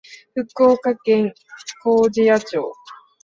福岡県粕屋町